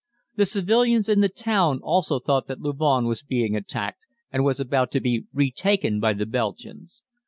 The civilians in the town also thought that Louvain was being attacked and was about to be retaken by the Belgians.